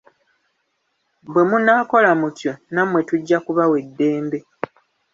Bwe munnaakola mutyo nammwe tujja kubawa eddembe.